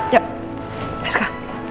yuk let's go